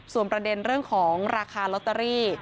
ส่วนประเด็นเรื่องของราคาลอตเตอรี่